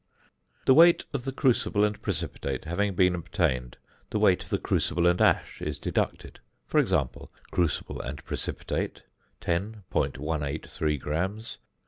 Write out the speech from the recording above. The weight of the crucible and precipitate having been obtained, the weight of the crucible and ash is deducted; for example Crucible and precipitate 10.183 grams.